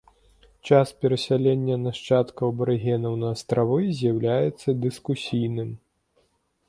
Час перасялення нашчадкаў абарыгенаў на астравы з'яўляецца дыскусійным.